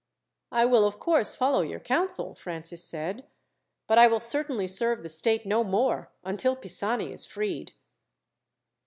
"I will, of course, follow your counsel," Francis said; "but I will certainly serve the state no more, until Pisani is freed."